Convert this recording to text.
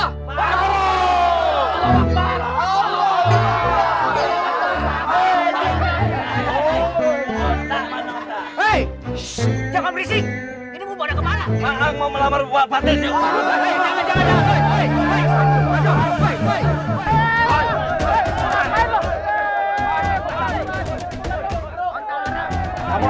hai jangan berisik ini membuat kepala